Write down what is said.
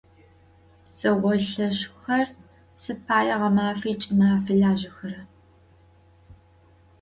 Pseolheş'xer, sıd paê ğemafi ç'ımafi lajexera?